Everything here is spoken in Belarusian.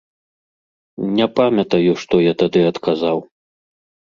Не памятаю, што я тады адказаў.